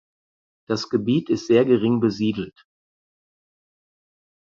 Das Gebiet ist sehr gering besiedelt.